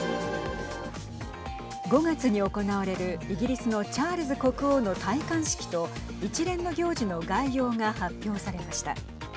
５月に行われるイギリスのチャールズ国王の戴冠式と一連の行事の概要が発表されました。